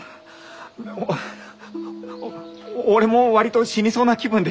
あお俺も割と死にそうな気分でしたよ。